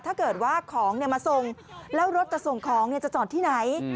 ถ้าเกิดว่าของมาส่งแล้วรถจะส่งของจะจอดที่ไหน